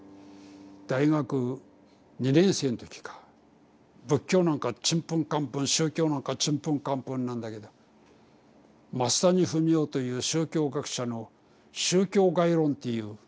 大学２年生の時か仏教なんかちんぷんかんぷん宗教なんかちんぷんかんぷんなんだけど増谷文雄という宗教学者の「宗教概論」っていう講義を受けたんだよ。